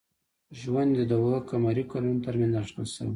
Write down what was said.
ژوند یې د او ه ق کلونو تر منځ اټکل شوی.